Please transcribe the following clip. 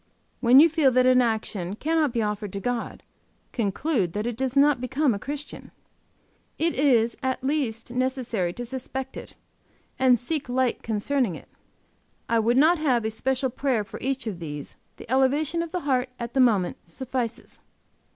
When you feel that an action cannot be offered to God, conclude that it does not become a Christian; it is at least necessary to suspect it, and seek light concerning it. I would not have a special prayer for each of these the elevation of the heart at the moment suffices.